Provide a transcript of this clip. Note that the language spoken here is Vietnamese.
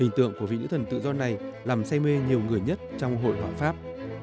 hình tượng của vị những thần tự do này làm say mê nhiều người nhất trong hội họa pháp